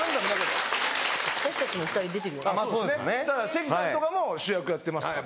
関さんとかも主役やってますから。